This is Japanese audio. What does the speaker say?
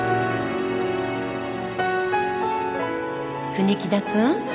「国木田くん」